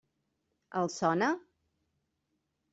Els sona?